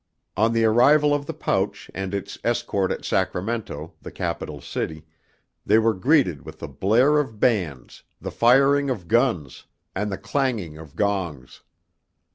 On the arrival of the pouch and its escort at Sacramento, the capital city, they were greeted with the blare of bands, the firing of guns, and the clanging of gongs.